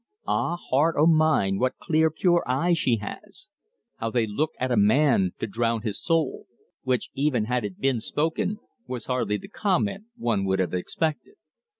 "Ah, heart o' mine, what clear, pure eyes she has! How they look at a man to drown his soul!" Which, even had it been spoken, was hardly the comment one would have expected.